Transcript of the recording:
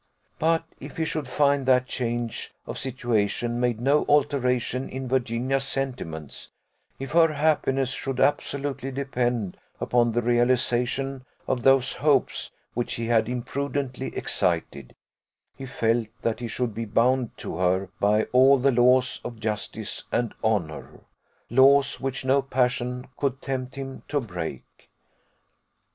But if he should find that change of situation made no alteration in Virginia's sentiments, if her happiness should absolutely depend upon the realization of those hopes which he had imprudently excited, he felt that he should be bound to her by all the laws of justice and honour; laws which no passion could tempt him to break.